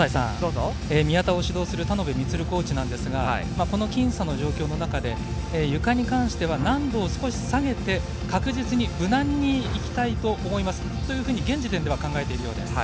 宮田を指導する田野辺満コーチなんですがこの僅差の状況の中でゆかに関しては難度を少し下げて確実に無難にいきたいと思いますというふうに現時点では考えているようです。